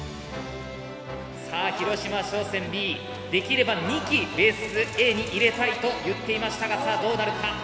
さあ広島商船Ｂできれば２機ベースＡに入れたいと言っていましたがさあどうなるか。